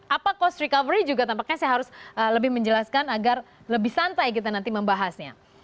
apa cost recovery juga tampaknya saya harus lebih menjelaskan agar lebih santai kita nanti membahasnya